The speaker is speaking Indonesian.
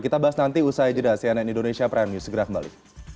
kita bahas nanti usai jeda cnn indonesia prime news segera kembali